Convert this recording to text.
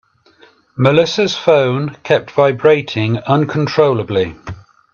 Melissa's phone kept vibrating uncontrollably.